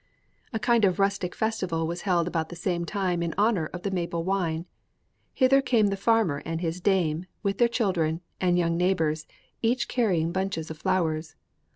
"'A kind of rustic festival was held about the same time in honor of the maple wine. Hither came the farmer and his dame, with their children and young neighbors, each carrying bunches of flowers.